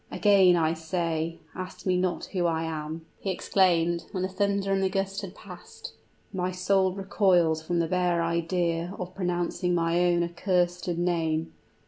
"Again I say, ask me not who I am!" he exclaimed, when the thunder and the gust had passed. "My soul recoils from the bare idea of pronouncing my own accursed name!